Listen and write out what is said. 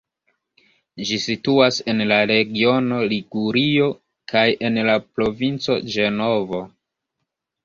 Ĝi situas en la regiono Ligurio kaj en la provinco Ĝenovo.